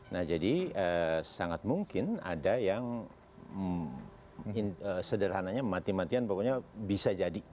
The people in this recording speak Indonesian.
nah jadi sangat mungkin ada yang sederhananya mati matian pokoknya bisa jadi